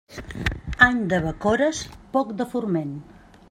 Any de bacores, poc de forment.